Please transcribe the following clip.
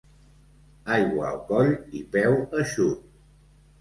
Aigua al coll i peu eixut.